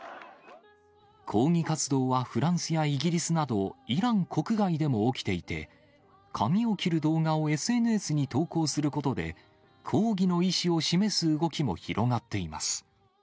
抗議活動はフランスやイギリスなど、イラン国外でも起きていて、髪を切る動画をＳＮＳに投稿することで、抗議の意思を示す動きも広がっています。